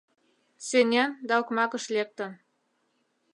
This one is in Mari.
Сеҥен да окмакыш лектын!